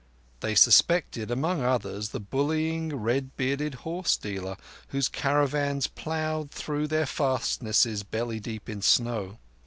They suspected, among many others, the bullying, red bearded horsedealer whose caravans ploughed through their fastnesses belly deep in snow.